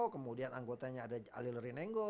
kemudian anggotanya ada alil rinengo